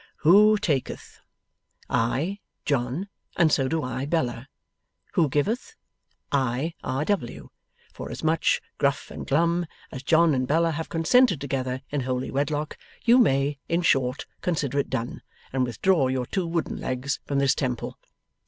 Who taketh? I, John, and so do I, Bella. Who giveth? I, R. W. Forasmuch, Gruff and Glum, as John and Bella have consented together in holy wedlock, you may (in short) consider it done, and withdraw your two wooden legs from this temple.